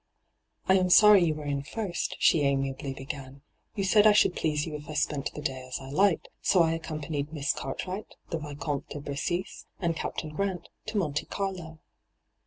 * I am sorry you were in first,* she amiably began. ' You said I should please you if I spent the day as I liked, so I accompanied Miss Cartwright, the Vicomte de Bressis, and Captain Grant, to Monte Carlo.